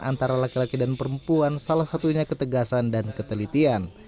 antara laki laki dan perempuan salah satunya ketegasan dan ketelitian